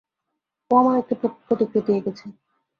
ও আমার একটা প্রতিকৃতি এঁকেছে।